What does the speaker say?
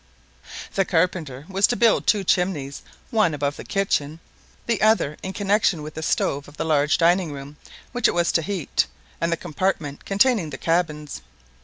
The carpenter was to build two chimneys one above the kitchen, the other in connection with the stove of the large dining room, which was to heat it and the compartment containing the cabins.